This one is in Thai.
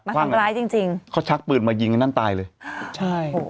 ทำร้ายจริงจริงเขาชักปืนมายิงนั่นตายเลยใช่